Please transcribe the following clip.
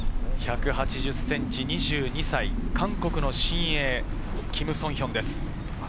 １８０ｃｍ、２２歳、韓国の新鋭、キム・ソンヒョンです。